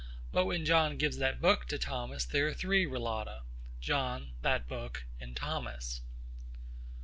But when John gives that book to Thomas there are three relata, John, that book, and Thomas.